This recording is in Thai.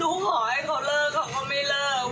ขอให้เขาเลิกเขาก็ไม่เลิก